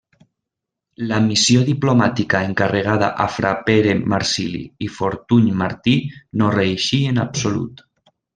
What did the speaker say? La missió diplomàtica encarregada a fra Pere Marsili i Fortuny Martí no reeixí en absolut.